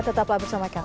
tetaplah bersama kami